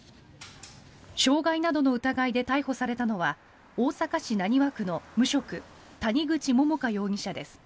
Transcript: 傷害などの疑いで逮捕されたのは大阪市浪速区の無職・谷口桃花容疑者です。